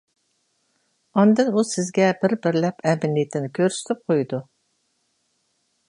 ئاندىن ئۇ سىزگە بىر-بىرلەپ ئەمەلىيىتىنى كۆرسىتىپ قويىدۇ.